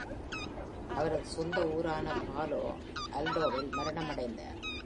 அவரது சொந்த ஊரான பாலோ ஆல்டோவில் மரணமடைந்தார்.